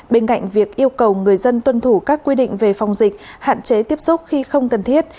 bên cạnh việc yêu cầu người dân tuân thủ các quy định về phòng dịch hạn chế tiếp xúc khi không cần thiết